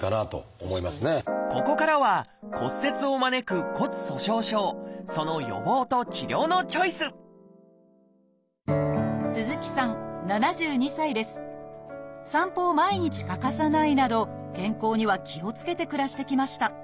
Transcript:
ここからは骨折を招く骨粗しょう症その予防と治療のチョイス散歩を毎日欠かさないなど健康には気をつけて暮らしてきました。